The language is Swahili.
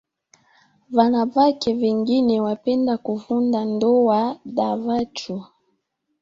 Vanavake vengine wapenda kuvunda ndoa dha vachu